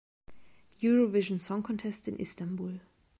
Eurovision Song Contest in Istanbul.